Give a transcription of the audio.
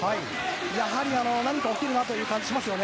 やはり何か起きるなという感じがしますよね。